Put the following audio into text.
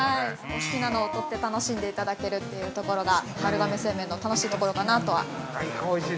◆お好きなのを取って楽しんでいただけるというところが、丸亀製麺の楽しいところかなとは。